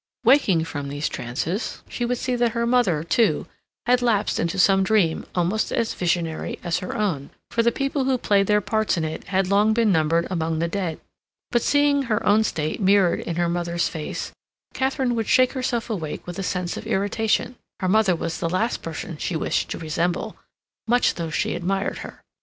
Waking from these trances, she would see that her mother, too, had lapsed into some dream almost as visionary as her own, for the people who played their parts in it had long been numbered among the dead. But, seeing her own state mirrored in her mother's face, Katharine would shake herself awake with a sense of irritation. Her mother was the last person she wished to resemble, much though she admired her.